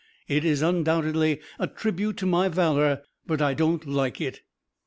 It's undoubtedly a tribute to my valor, but I don't like it."